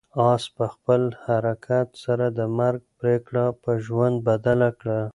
آس په خپل حرکت سره د مرګ پرېکړه په ژوند بدله کړه.